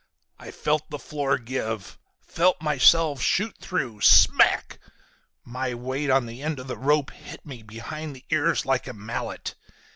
"I felt the floor give, felt myself shoot through. Smack! My weight on the end of the rope hit me behind the ears like a mallet.